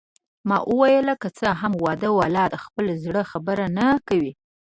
ما وویل: که څه هم واده والا د خپل زړه خبره نه کوي.